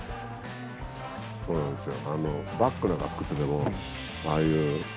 そうなんですよ。